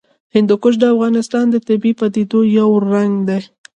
هندوکش د افغانستان د طبیعي پدیدو یو رنګ دی.